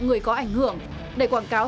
người có ảnh hưởng để quảng cáo